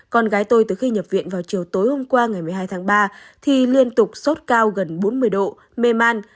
con gái tôi từ khi nhập viện vào chiều tối hôm qua ngày một mươi hai tháng ba thì liên tục sốt cao gần bốn mươi độ mê man